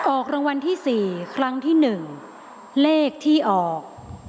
ออกรางวัลที่๔ครั้งที่๑เลขที่ออก